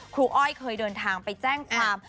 อ้อยเคยเดินทางไปแจ้งความ